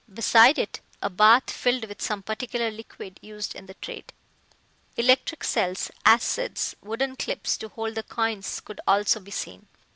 Beside it, a bath filled with some particular liquid used in the trade. Electric cells, acids, wooden clips to hold the coins could also be seen.